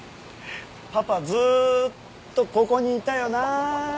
パパずっとここにいたよな？